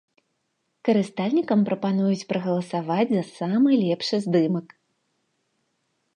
Карыстальнікам прапануюць прагаласаваць за самы лепшы здымак.